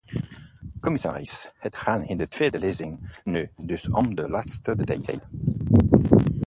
Commissaris, het gaat in de tweede lezing nu dus om de laatste details.